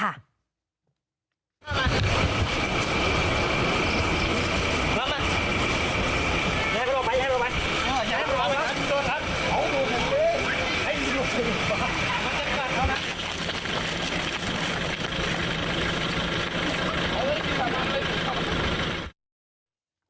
มาให้เขาออกไปให้เขาออกไปโดนครับ